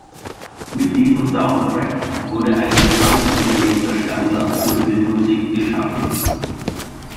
Mit diesem Soundtrack wurde ein bis heute bestehender Standard für Filmmusik geschaffen.